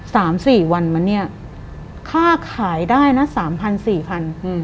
สามสี่วันมาเนี่ยค่าขายได้นะ๓๔พัน